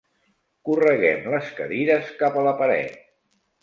Correguem les cadires cap a la paret.